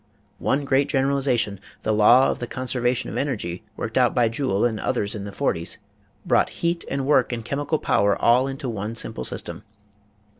One great generalization, the law of the conservation of energy worked out by Joule and others in the forties, brought heat and work and chemical power all into one simple system.